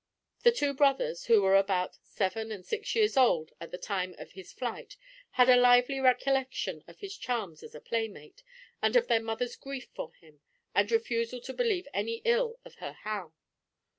The two brothers, who were about seven and six years old at the time of his flight, had a lively recollection of his charms as a playmate, and of their mother's grief for him, and refusal to believe any ill of her Hal.